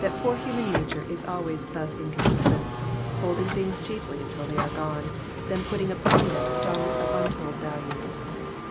57 poor human nature is always thus inconsistent, holding things cheaply until they are gone, Lhen putting upon them sums of untold value.